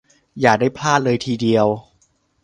อย่าได้พลาดเลยทีเดียว